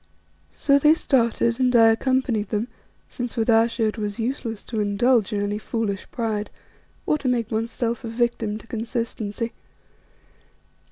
So they started, and I accompanied them since with Ayesha it was useless to indulge in any foolish pride, or to make oneself a victim to consistency.